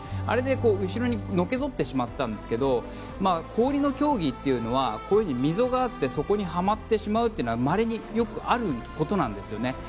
あれで後ろにのけぞってしまったんですが氷の競技というのはこういうふうに溝があってそこにはまってしまうのはまれによくあることなんですよね。